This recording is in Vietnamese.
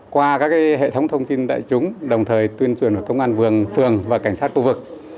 qua các hệ thống thông tin đại chúng đồng thời tuyên truyền của công an vườn phường và cảnh sát khu vực